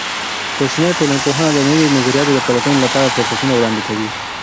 کوچنۍ ټولنپوهنه د نوي نظریاتو د پلټنې لپاره فرصتونه وړاندې کوي.